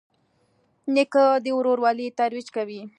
نیکه د ورورولۍ ترویج کوي.